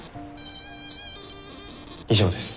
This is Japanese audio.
以上です。